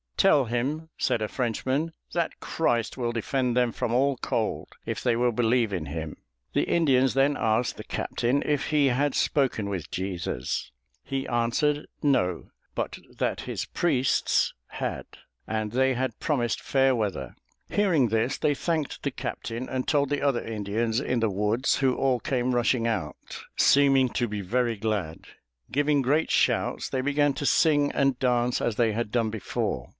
"Tell him," said a Frenchman, "that Christ will defend them from all cold, if they will believe in him." The Indians then asked the captain if he had spoken with Jesus. He answered No; but that his priests had, and they had promised fair weather. Hearing this, they thanked the captain and told the other Indians in the woods, who all came rushing out, seeming to be very glad. Giving great shouts, they began to sing and dance as they had done before.